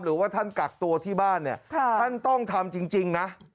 หรือว่าท่านกักตัวที่บ้านเนี่ยท่านต้องทำจริงนะ